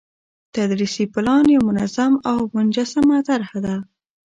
تدريسي پلان يو منظم او منسجمه طرحه ده،